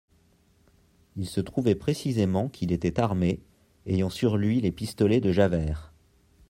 Il se trouvait précisément qu'il était armé, ayant sur lui les pistolets de Javert.